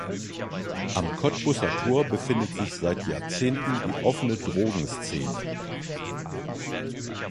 Am Kottbusser Tor befindet sich seit Jahrzehnten die offene Drogenszene.